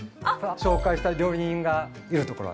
紹介したい料理人がいるところは。